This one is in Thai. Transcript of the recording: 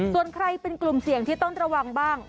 ส่วนใครเป็นกลุ่มเสี่ยงที่ต้องระวังบ้าง